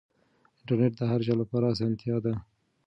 انټرنیټ د هر چا لپاره اسانتیا ده.